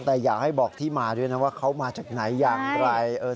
แต่อยากให้บอกที่มาด้วยนะว่าเขามาจากไหนอย่างไร